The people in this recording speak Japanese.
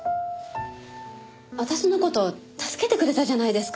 私の事助けてくれたじゃないですか。